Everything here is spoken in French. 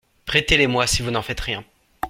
Prêtez-les-moi, si vous n’en faites rien.